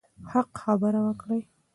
حق خبره وکړئ.